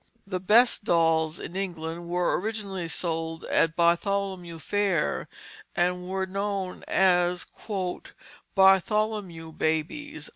The best dolls in England were originally sold at Bartholomew Fair and were known as "Bartholomew babies."